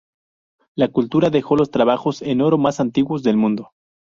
La cultura dejó los trabajos en oro más antiguos del mundo.